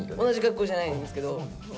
同じ学校じゃないんですけど。